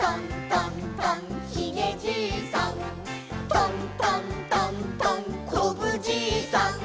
「トントントントンこぶじいさん」